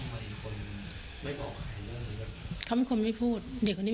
เขาไม่ควรไม่พูดเด็กคนนี้ไม่ควรไม่พูด